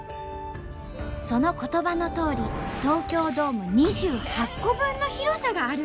その言葉のとおり東京ドーム２８個分の広さがあるんです。